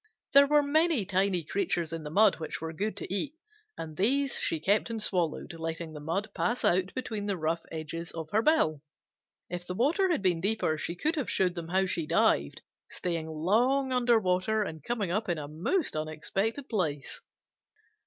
There were many tiny creatures in the mud which were good to eat, and these she kept and swallowed, letting the mud pass out between the rough edges of her bill. If the water had been deeper, she could have showed them how she dived, staying long under water and coming up in a most unexpected place.